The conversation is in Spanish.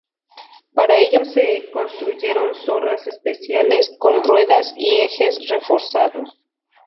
Para ello se construyeron zorras especiales con ruedas y ejes reforzados.